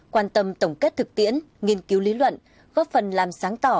quan tâm tổng kết thực tiễn nghiên cứu lý luận góp phần làm sáng tỏ